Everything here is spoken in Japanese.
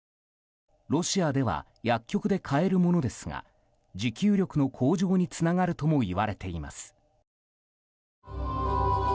ロシアでは薬局で買えるものですが持久力の向上につながるともいわれています。